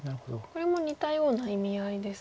これも似たような意味合いですか。